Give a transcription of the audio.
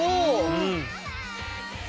うん。